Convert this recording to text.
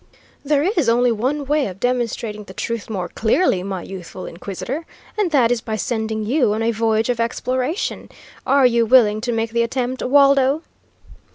"There is only one way of demonstrating the truth more clearly, my youthful inquisitor, and that is by sending you on a voyage of exploration. Are you willing to make the attempt, Waldo?"